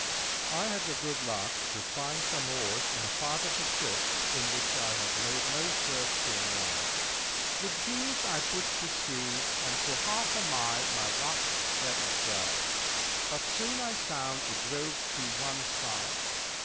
I had the good luck to find some oars in a part of the ship, in which I had made no search till now. With these I put to sea, and for half a mile my raft went well; but soon I found it drove to one side.